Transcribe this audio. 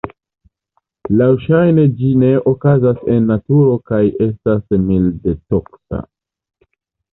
Laŭŝajne ĝi ne okazas en naturo kaj estas milde toksa.